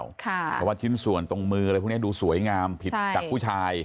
เพราะว่าชิ้นส่วนตรงมืออะไรพวกนี้ดูสวยงามผิดจากผู้ชาย